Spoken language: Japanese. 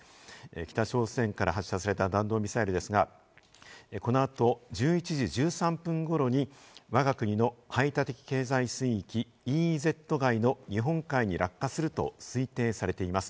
北朝鮮から発射された弾道ミサイルですが、この後、１１時１３分頃にわが国の排他的経済水域、ＥＥＺ外の日本海に落下すると推定されています。